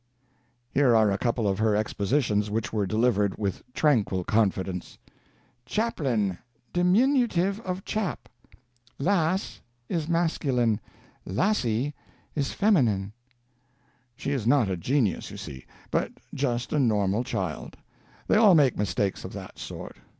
Here are a couple of her expositions which were delivered with tranquil confidence: "Chaplain, diminutive of chap. Lass is masculine, lassie is feminine." She is not a genius, you see, but just a normal child; they all make mistakes of that sort.